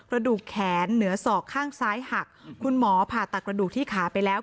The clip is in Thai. กระดูกแขนเหนือศอกข้างซ้ายหักคุณหมอผ่าตัดกระดูกที่ขาไปแล้ว